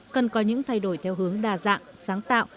cần có những thay đổi theo hướng đa dạng sáng tạo